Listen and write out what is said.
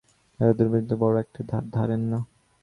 রাজা যুদ্ধবিগ্রহের বড়ো একটা ধার ধারেন না।